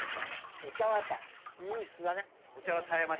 お茶はやっぱ必須だね。